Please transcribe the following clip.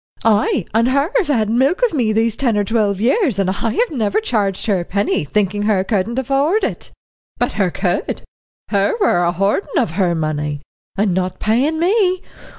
"Ay and her have had milk of me these ten or twelve years, and I've never charged her a penny, thinking her couldn't afford it. But her could, her were a hoardin' of her money and not paying me.